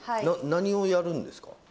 何をやるんですか？